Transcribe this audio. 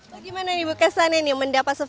bagaimana ibu kesannya mendapat souvenir